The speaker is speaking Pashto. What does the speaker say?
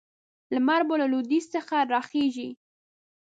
لمر به له لویدیځ څخه راخېژي.